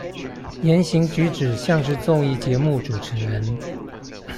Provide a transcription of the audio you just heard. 言行舉止像是綜藝節目主持人